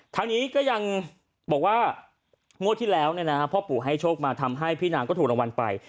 ทางนี้ก็ยังบอกว่างวดที่แล้วพ่อปู่ให้โชคมาทำให้พี่นางก็ถูกรางวัลไป